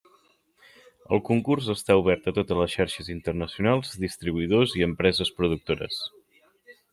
El Concurs està obert a totes les xarxes internacionals, distribuïdors i empreses productores.